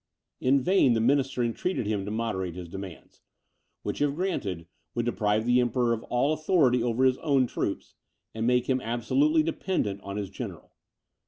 In vain the minister entreated him to moderate his demands, which, if granted, would deprive the Emperor of all authority over his own troops, and make him absolutely dependent on his general.